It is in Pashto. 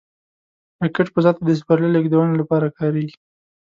راکټ فضا ته د سپرلي لیږدونې لپاره کارېږي